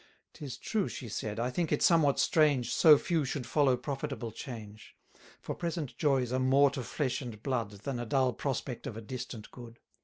'Tis true, she said, I think it somewhat strange, So few should follow profitable change: For present joys are more to flesh and blood, Than a dull prospect of a distant good.